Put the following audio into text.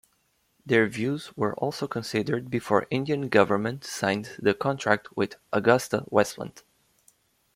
Their views were also considered before Indian Government signed the contract with Agusta Westland.